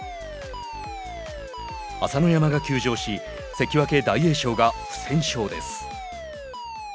朝乃山が休場し関脇大栄翔が不戦勝です。